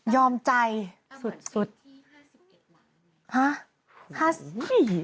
ยอมใจ